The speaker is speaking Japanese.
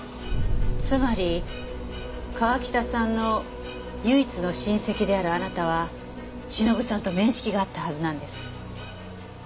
つまり川喜多さんの唯一の親戚であるあなたは忍さんと面識があったはずなんです。